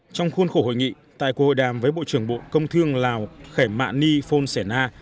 trong khuôn khổ hội nghị tại cuộc hội đàm với bộ trưởng bộ công thương lào khải mạ ni phôn sẻ na